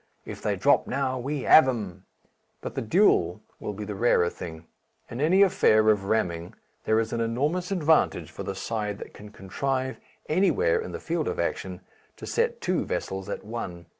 If they drop now we have 'em!" But the duel will be the rarer thing. In any affair of ramming there is an enormous advantage for the side that can contrive, anywhere in the field of action, to set two vessels at one.